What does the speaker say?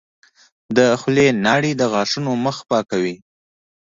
د خولې لاړې د غاښونو مخ پاکوي.